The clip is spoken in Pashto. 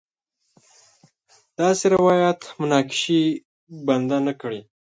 داسې روایت مناقشې بنده نه کړي.